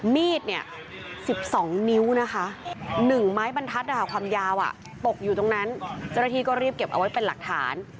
มีดเนี่ย๑๒นิ้วนะคะ๑ไม้บรรทัศน์ความยาวตกอยู่ตรงนั้นเจ้าหน้าที่ก็รีบเก็บเอาไว้เป็นหลักฐาน